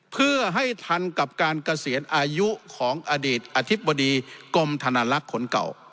เพื่อให้ทันกับการเกษียณอายุของอดีตอธิบดีกรมธนลักษณ์คนเก่า